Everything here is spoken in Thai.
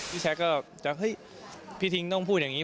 พี่แชทก็จะเฮ้ยพี่ทิ้งต้องพูดอย่างนี้